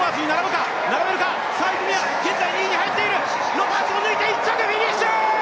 ロバーツを抜いて１着フィニッシュ！